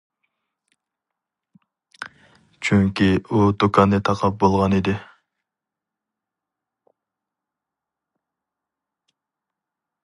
چۈنكى ئۇ دۇكاننى تاقاپ بولغان ئىدى.